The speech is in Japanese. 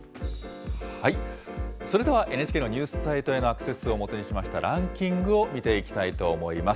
それではＮＨＫのニュースサイトへのアクセス数を基にしましたランキングを見ていきたいと思います。